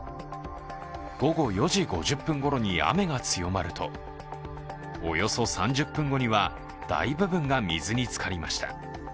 午後４時５０分ごろに雨が強まると、およそ３０分後には大部分がみずにつかりました。